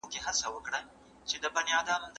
نړیوال سازمانونه د تلپاته پرمختګ لپاره کار کوي.